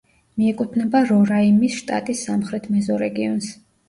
მიეკუთვნება რორაიმის შტატის სამხრეთ მეზორეგიონს.